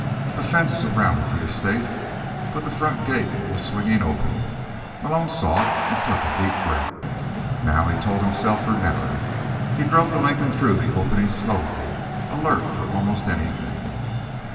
A fence surrounded the estate, but the front gate was swinging open. Malone saw it and took a deep breath. Now, he told himself, or never. He drove the Lincoln through the opening slowly, alert for almost anything.